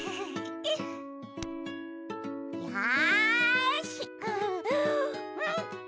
よし！